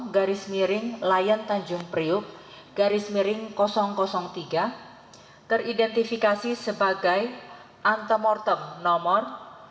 garis miring layan tanjung priup garis miring tiga teridentifikasi sebagai antemortem nomor dua ratus dua